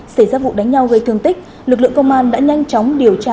xảy ra vụ đánh nhau gây thương tích lực lượng công an đã nhanh chóng điều tra